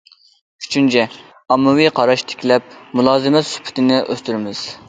ئۈچىنچى، ئاممىۋى قاراش تىكلەپ، مۇلازىمەت سۈپىتىنى ئۆستۈرىمىز.